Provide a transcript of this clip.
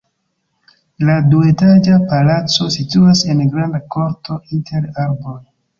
La duetaĝa palaco situas en granda korto inter arboj.